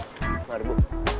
gak ada bu